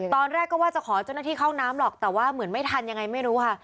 ตอนแรกก็ว่าจะขอเจ้าหน้าที่เข้าน้ำหรอกแต่ว่าเหมือนไม่ทันยังไงไม่รู้ค่ะ